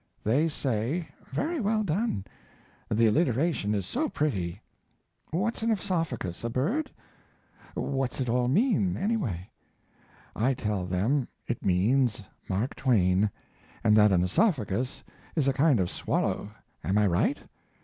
They say, "Very well done." "The alliteration is so pretty." "What's an oesophagus, a bird?" "What's it all mean, anyway?" I tell them it means Mark Twain, and that an oesophagus is a kind of swallow. Am I right?